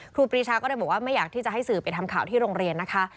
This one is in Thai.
ครูปีชาก็เลยบอกว่าไม่อยากที่จะให้สื่อไปทำข่าวที่โรงเรียนนะคะ